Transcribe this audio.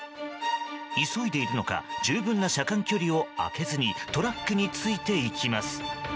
急いでいるのか十分な車間距離を開けずにトラックについていきます。